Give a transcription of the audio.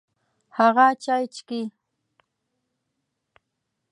هغه چای چیکي.